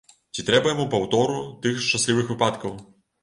Ці трэба яму паўтору тых шчаслівых выпадкаў?